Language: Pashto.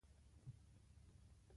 په کائیناتو کې به خپل نوم پر قمر ولیکم